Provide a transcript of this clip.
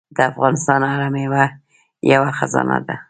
د افغانستان هره میوه یوه خزانه ده.